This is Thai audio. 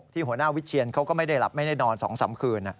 หัวหน้าวิเชียนเขาก็ไม่ได้หลับไม่ได้นอน๒๓คืน